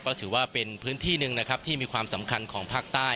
ก็ถือว่าเป็นพื้นที่หนึ่งนะครับที่มีความสำคัญของภาคใต้